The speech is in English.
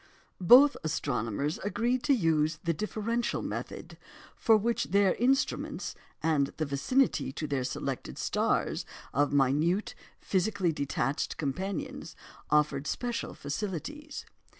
Both astronomers agreed to use the "differential" method, for which their instruments and the vicinity to their selected stars of minute, physically detached companions offered special facilities.